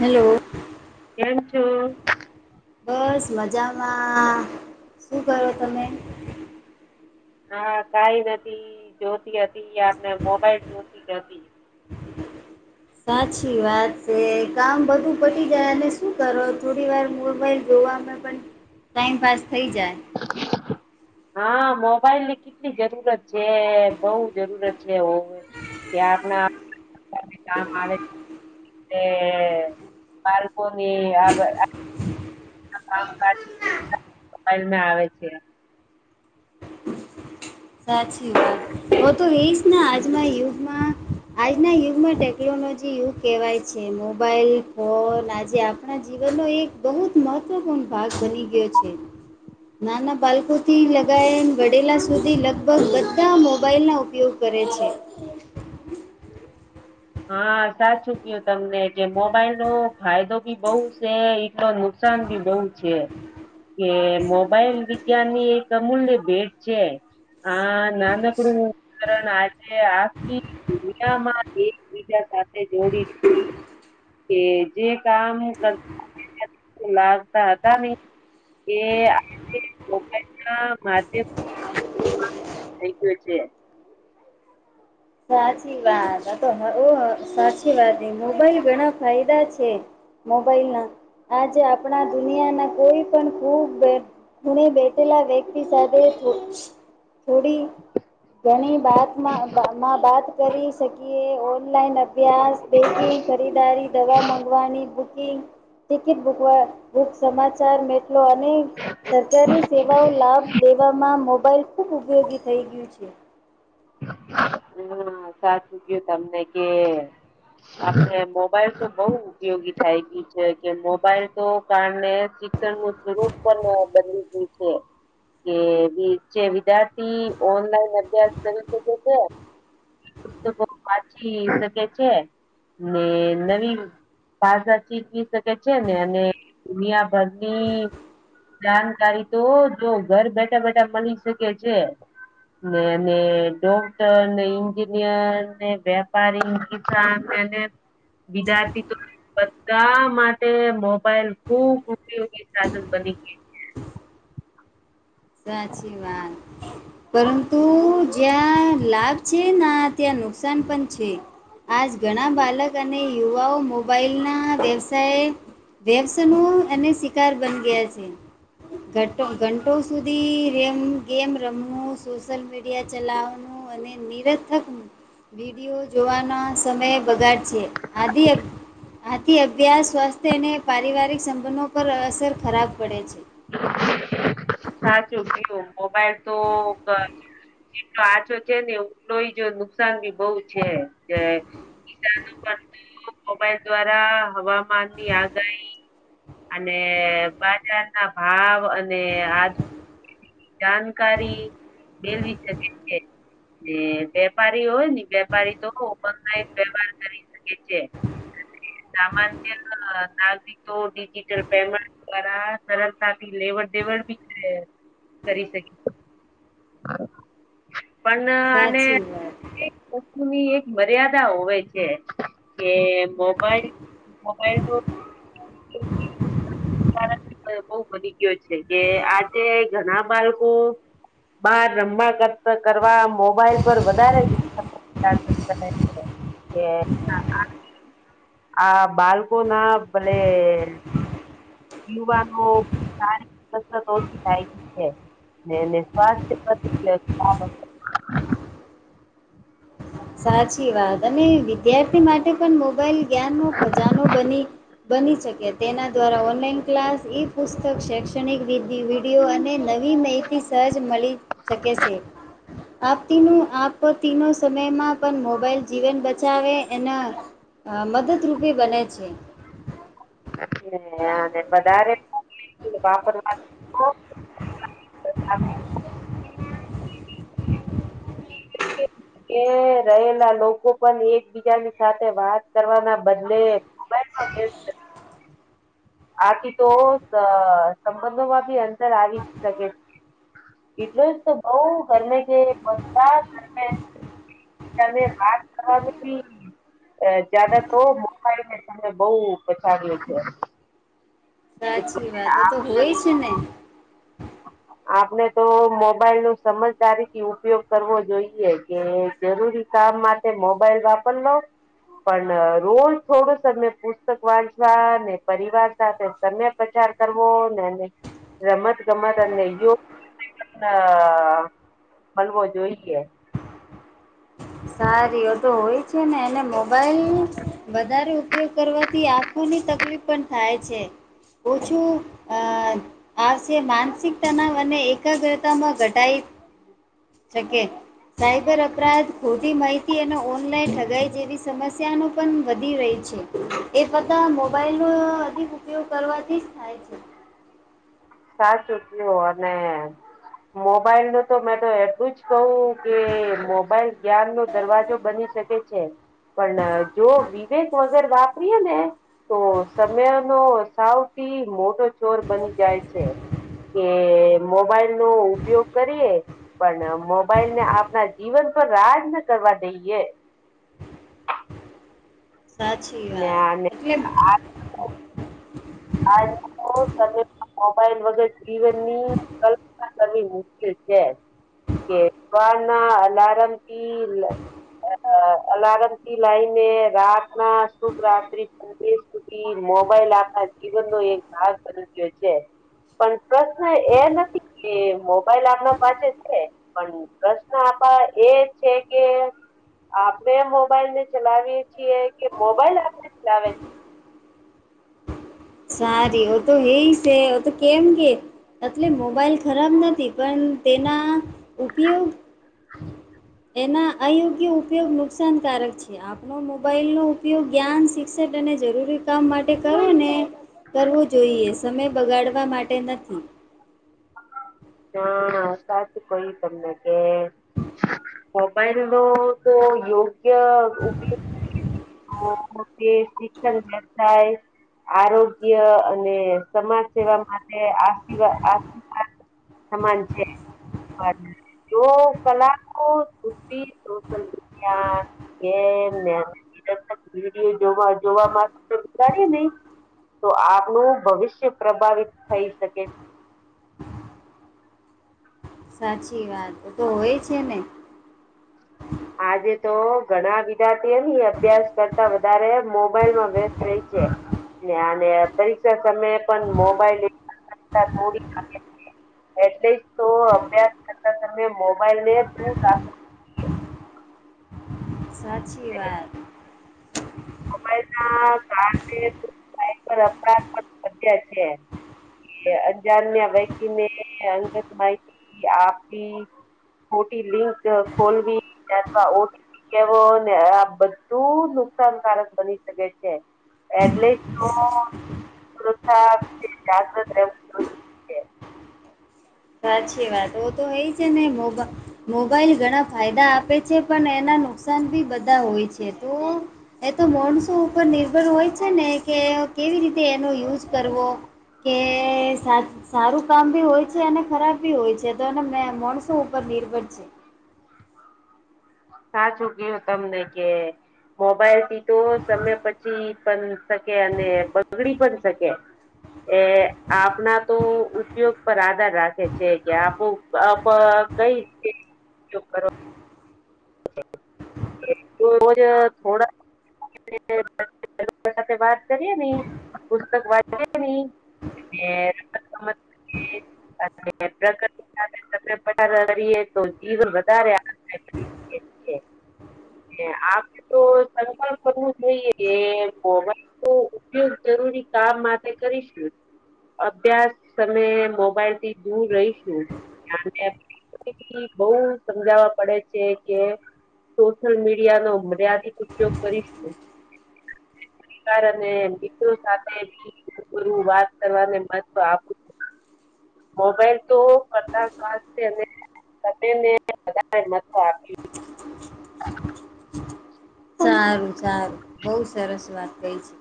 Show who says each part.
Speaker 1: Hello.
Speaker 2: કેમ છો?
Speaker 1: બસ મજામાં શું કરો તમે.
Speaker 2: હા કઈ નથી જોતી હતી આપને મોબાઈલ જોતી જ હતી. [inaudible]
Speaker 1: સાચી વાત છે કામ બધું પડી જાય અને શું કરો થોડી વાર મોબાઈલ જોવામાં પણ ટાઈમ પાસ થઈ જાય.
Speaker 2: [inaudible] હા મોબાઈલ ની કેટલી જરૂરત છે બહું જરૂરત છે હો. ત્યાં આપને કામ આવે બાળકોની મોબાઇલ આવે છે.
Speaker 1: સાચી વાત હું તો એશ આજના યુગમાં આજના યુગમાં ટેકનોલોજી યુગ કહેવાય છે મોબાઈલ ફોન આજે આપણા જીવનનો એક બહુ જ મહત્વ મહત્વપૂર્ણ ભાગ બની ગયો છે. નાના બાલકો થી લગાવ વડેલા સુધી લગભગ બધા મોબાઈલના ઉપયોગ કરે છે.
Speaker 2: હા સાચું કયું તમને જે મોબાઈલ નો ફાયદો બી બહું છે. નુકસાન ભી બહુ છે. કે મોબાઈલ વિજ્ઞાન ની એક અમૂલ્ય ભેટ છે. હા નાનકડું કારણ આજે આખી બીજા સાથે જોડી કે જે કામ કર લાવતા હતા એ આપડે મોબાઈલ ના માધ્યમથી થઈ ગયું છે.
Speaker 1: સાચી વાત તો સાચી વાત ન મોબાઈલ ઘણા ફાયદા છે. મોબાઈલ ના આજે આપણા દુનિયાના કોઈ પણ ખૂબ ખુણે બેટેલા વ્યક્તિ સાથે થોડી ઘણી વાતમાં માં વાત કરી શકીએ ઓનલાઈન અભ્યાસ બેન્કિંગ ખરીદારી દવા મગવાની બુક ટિકિટ બુક સમાચાર મે અને સરકારી સેવાઓ લાભ લેવામાં મોબાઈલ ખૂબ ઉપયોગી થઈ ગયું છે.
Speaker 2: હા સાચું ગયું તમને કે આપણે મોબાઈલ તો બહુ ઉપયોગી થાય ગય છે કે મોબાઈલ તો કારણે શિક્ષણ નું સ્વરૂપ પણ બદલી ગયું છે. કે જે વિદ્યાર્થી ઓનલાઈન અભ્યાસ કરી શકે છે. પુસ્તકો વાચી શકે છે ને નવી ભાષા શીખી શકે છે ને અને દુનિયાભરની જાણકારી તો જો ઘર બેઠા બેઠા મળી શકે છે ને ને ડોક્ટર ને એન્જિનિયર ને વેપારી ને કિસાન એને વિદ્યાર્થી તો બધા માટે મોબાઈલ ખુબ ઉપયોગી સાધન બની ગયું છે
Speaker 1: સાચી વાત પરંતુ જ્યાં લાભ છે ના ત્યાં નુકસાન પણ છે આજ ઘણા બાળક અને યુવાઓ મોબાઈલના વ્યવસાય વ્યવસ ન એ શિકાર બની ગયા છે ઘંટો સુધી રેમ ગેમ રમવું સોશયલ મીડિયા ચલાવવાનું અને નિરથક વીડીયો જોવાના સમય બગાડ છે આથી આથી અભ્યાસ સ્વાસ્થ્ય અને પારિવારિક સંબંધો પર અસર ખરાબ પડે છે
Speaker 2: સાચું કીધું મોબાઈલ તો આ તો છે ને જોઈ જો નુકસાન ભી બહુ છે કિ મોબાઈલ દ્વારા હવામાનની આગાહી અને બાજાર ના ભાવ અને આ જાનકારી દેવી જરૂરી છે એ વેપારી હોય ને વેપારી તો ઓનલાઈન વ્યવહારો કરી કે છે સામાન્ય નાગરિકો ડિજિટલ પેમેન્ટ દ્વારા સરળતાથી લેવડ દેવડ બી કરી શકાય પણ આને
Speaker 1: સાચી વાત.
Speaker 2: ની એક મર્યાદા હોય છે કે મોબાઈલ મોબાઈલ તો બહુ વધી ગયો છે કે આજે ઘણા બાળકો બહાર રમવા કરવા મોબાઈલ પર વધારે એ આ બાળકો ના ભલે યુવાનો સારી કસરત ઓછી થાય છે સ્વાસ્થ્ય
Speaker 1: સાચી વાત અને વિદ્યાર્થી માટે પણ મોબાઈલ જ્ઞાનનો ખજાનો બની બની શકે તેના દ્વારા ઓનલાઈન ક્લાસ ઇફ પુસ્તક શૈક્ષણિક વિધી વિડીયો અને નવી માહિતી સહજ મળી શકે છે આપ તીનો આપ તીનો સો એમાં પણ મોબાઈલ જીવન બચાવે અને મદદરૂપી બને છે
Speaker 2: હ વધારે
Speaker 1: હ [unintelligible]
Speaker 2: એ એ રહેલા લોકો પણ એકબીજાની સાથે વાત કરવાના બદલે મોબાઈલ માંગે છે આથી તો સંબંધોમાં બી અંતર આવી જ શકે એટલું જ તો બઉ ગરમે કે બધા ગરમે તમે વાત કરવાની બી જ્યાદા તો મોબાઈલને તમૅ બઉ પછાર્યું છે
Speaker 1: સાચી
Speaker 2: એટલે
Speaker 1: વાત તો હોય જ ને
Speaker 2: આપણે તો મોબાઈલ નું સમજદારીથી ઉપયોગ કરવો જોઈએ કે જરૂરી કામ માટે મોબાઈલ વાપરલો પણ રોજ થોડુંસમે પુસ્તક વાંચવા ને પરિવાર સાથે તમે પ્રચાર કરવો ને રમત ગમતને યોગ મળવો જોઈએ.
Speaker 1: સાર એ તો હોય છે ને એ મોબાઈલ વધારે ઉપયોગ કરવાથી આ આખોની તકલીફ પણ થાય છે ઓછું આવશે માનસિક તનાવ અને એકાગ્રતામાં ઘટાય શકે સાયબર અપરાધ ખોટી માહિતી અને ઓનલાઈન ઠગાઈ જેવી સમસ્યાનો પણ વધી રહી છે. એ બધા મોબાઈલ નો અધિક ઉપયોગ કરવાથી જ થાય છે.
Speaker 2: સાૂટઓ અને મોબાઈલ નું તો મેં તો એટલું જ કહું કે મોબાઈલ જ્ઞાન નો દરવાજો બની શકે. પણ જો વિવેક વગર વાપરીએ ને તો સમય નો સૌથી મોટો ચોર બની જાય છે. કે મોબાઈલ નો ઉપયોગ કરીએ પણ મોબાઈલ ને આપના જીવન પર રાજ ન કરવા દઈએ.
Speaker 1: સાચી
Speaker 2: ને
Speaker 1: વાત
Speaker 2: આને
Speaker 1: એટલે
Speaker 2: આજ મોબાઈલ વગર જીવનની કપ મુશ્કેલ છે કે ના અલાર્મથી અ અલારમથી લઈને રાત ના શુભ રાતિ સુધી મોબાઈલ આપના જીવનનો એક ભાગ બ ગયો છે. પણ પ્રશ્ન એ નથી કે મોબાઈલ આપણા પાસે છે પણ પ્રશ્ન આપણા એજ છે કે આપડણે મોબાઈલ ને ચલાવીએ છીએ કે મોબાઈલ આપણે ચલાવે
Speaker 1: સારી ઓ તો હે છે તો કેમ કે એટલે મોબાાઈલ ખરાબ નથી પણ તેના ઉપયોગ એના અયોગ્ય ઉપયોગ નુકસાનકારક છે. આપણ મોબાઈલનો ઉપયોગ જ્ઞાન શિક્ષક અને જરૂરી કામ માટે કરો ને કરવું જોઈએ સમય બગાડવા માટે નથી.
Speaker 2: ના સાચું કય્યું તમને કે મોબાઈલ નો તો યોગ્ય ઉપયોગ શિક્ષણ વ થાય આરોગ્ય અને સમાજ સેવા માટે આશીર્વાદ આશીર્વાદ સમાન છે. જો કલા કો ખી શોષન હા એમને જોવા જોવાગડીએ નહી. તો આપનું ભવિષ્ય પ્રભાવિત થઈ શકે.
Speaker 1: સાચી વાત તો હોય છે ને
Speaker 2: આજે તો ઘણા વિદાર્થીઓ અભ્યાસ કરતા વધારે મોબાઈલમાં વ્યસ્ત રહી છે. અને પરીક્ષા સમયે પણ મોબાઈલ [unintelligible] થોડી એટલે જ તો અભ્યાસ કરતા તમે મોબાઈલ ને દુર રાખો.
Speaker 1: સાચી વાત.
Speaker 2: મોબાઈલ ના કારણેઈ અપરાધ પણ વધ્યા છે. એ અજાણ્યા વ્યક્તિને અંગત માહિતી આપી મોટી લિંક ખોલવી [unintelligible] ઓટીપી કેવો ને આ બધું નુકસાનકારક બની શકે છે એટલીસ્ટ તો ઓ સુરક્ષા કે જાગ્રત રહેવું જરૂ
Speaker 1: સાચી વાત તો તો એય છે ને મોબા મોબાઈલ ઘણા ફાયદા આપે છે પણ એના નુકસાન બી બધા હોય છે તો એ તો મોણસો ઉપર નિર્ભર હોય છે ને કે કેવી રીતે એનો યુઝ કરવો. કે સા સારું કામ બી હોય છે અને ખરાબી હોય છે તો એના મે મોણસો ઉપર નિર્ભર છે.
Speaker 2: સાચું કયું તમને કે મોબાઈલ થી તો સમય બચી પણ શકે અને બગડી પણ શકે એ આપના તો ઉપયોગ પર આધાર રાખે છે કે આપો આપ કઈ રિતે ઉપયોગ કરો તોજ થોડા [inaudible] સાથે વાત કરીએ ની પુસ્તક વાચએને એ [unintelligible] અને પ્રકૃતિ સાથે સમય પસાર કરીએ [unintelligible] તો જીવન વધારે આનંદમય [unintelligible] આપે તો સંકલ્પ કરવો જોઈએ કે મોબા તો ઉપયોગ જરૂરી કામ માટે કરીશું. અભ્યાસ અને મોબાઈલ થી દૂર રહીશું. [inaudible] બહુ સમજાવા પડે છે. કે સોશિયલ મીડિયા નો મર્યાદિત ઉપયોગ કરીશું. પરિવાર અને મિત્રો સાથેની [unintelligible] હું વાત કરવાને મહત્વ આપું છું. મોબાઈલ તો કરતા સ્વાસ્થ્ય અને તેને વધારે [inaudible] મતો આપી.
Speaker 1: સારું સારું બઉ સરસ વાત કઈ છે.